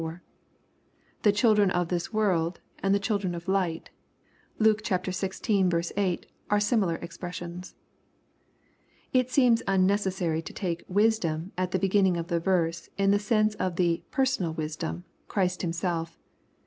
The " children of this world,*' and " children of Ught^" Luke xvL 8., are similar ex pressions. It seems unnecessary to take " wisdom," at the beginning of the verse, in the sense of tiie Personal Wisdom, Christ Himself.